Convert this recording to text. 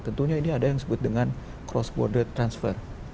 tentunya ini ada yang disebut dengan cross border transfer